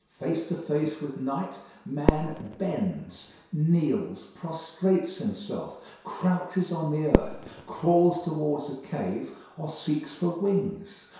Face to face with night, man bends, kneels, prostrates himself, crouches on the earth, crawls towards a cave, or seeks for wings.